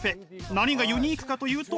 何がユニークかというと。